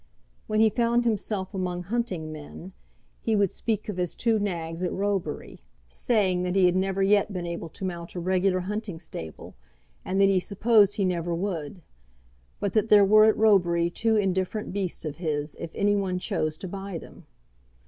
When he found himself among hunting men, he would speak of his two nags at Roebury, saying that he had never yet been able to mount a regular hunting stable, and that he supposed he never would; but that there were at Roebury two indifferent beasts of his if any one chose to buy them.